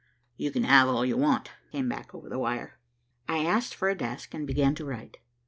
"You can have all you want," came back over the wire. I asked for a desk, and began to write.